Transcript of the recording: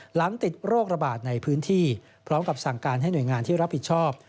ติดโรคระบาดในพื้นที่พร้อมกับสั่งการให้หน่วยงานที่รับผิดชอบ